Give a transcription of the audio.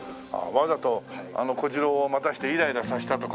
わざと小次郎を待たせてイライラさせたとかね。